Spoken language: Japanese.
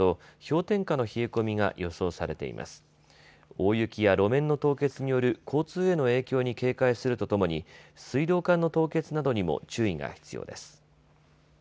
大雪や路面の凍結による交通への影響に警戒するとともに水道管の凍結などにも注意が必要です。